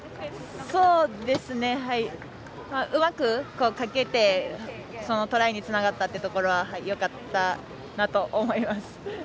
うまくかけてトライにつながったというところはよかったなと思います。